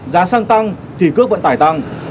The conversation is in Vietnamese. giá xăng tăng thì cước vận tải tăng